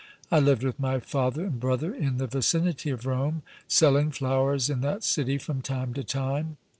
I lived with my father and brother in the vicinity of Rome, selling flowers in that city from time to time.